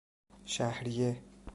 شهریه